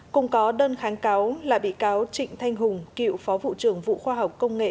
cùng có đơn kháng cáo là bị cáo trịnh thanh hùng cựu phó vụ trưởng vụ khoa học công nghệ